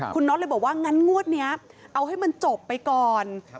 คุณน็อตเลยบอกว่างั้นงวดนี้เอาให้มันจบไปก่อน